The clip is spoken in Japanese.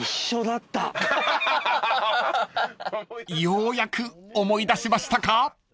［ようやく思い出しましたか］